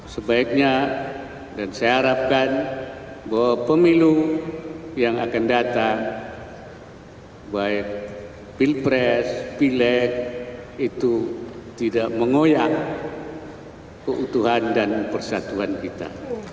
sebaiknya dan saya harapkan bahwa pemilu yang akan datang baik pilpres pileg itu tidak mengoyang keutuhan dan persatuan kita